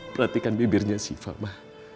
perhatikan bibirnya shiva ma